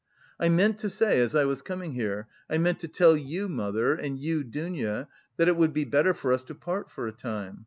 "I meant to say... as I was coming here... I meant to tell you, mother, and you, Dounia, that it would be better for us to part for a time.